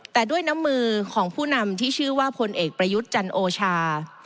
แต่ด้วยน้ำมือของผู้นำที่ชื่อว่าพลเอกประยุทธ์จันโอชา